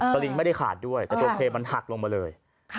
สลิงไม่ได้ขาดด้วยแต่ตัวเครมันหักลงมาเลย